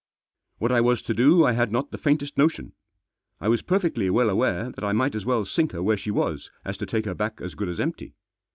What I was to do I had not the faintest notion. I was perfectly well aware that I might as well sink her where she was as to take her back as good as empty.